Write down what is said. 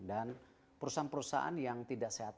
perusahaan perusahaan yang tidak sehat